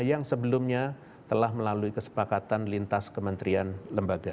yang sebelumnya telah melalui kesepakatan lintas kementerian lembaga